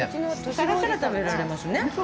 さらさら食べられますね。